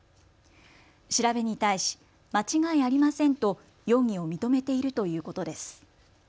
調べに対し間違いありませんと容疑を認めているということです。